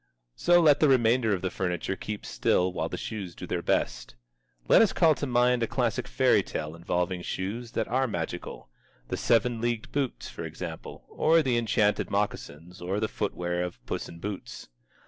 So let the remainder of the furniture keep still while the shoes do their best. Let us call to mind a classic fairy tale involving shoes that are magical: The Seven Leagued Boots, for example, or The Enchanted Moccasins, or the footwear of Puss in Boots.